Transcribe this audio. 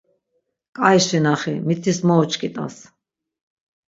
K̆ai şinaxi, mitis mo uçkit̆as!